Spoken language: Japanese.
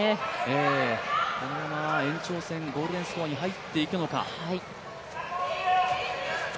このまま延長戦、ゴールデンスコアに入っていくのか。